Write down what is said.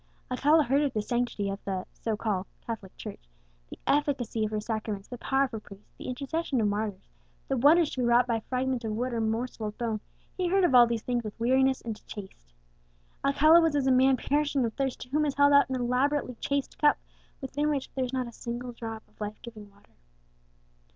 Alcala heard of the sanctity of the (so called) Catholic Church, the efficacy of her sacraments, the power of her priests, the intercession of martyrs, the wonders to be wrought by fragment of wood or morsel of bone, he heard of all these things with weariness and distaste. Alcala was as a man perishing of thirst to whom is held out an elaborately chased cup, within which there is not a single drop of life giving water.